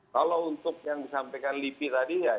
kalau untuk yang disampaikan lipi tadi ya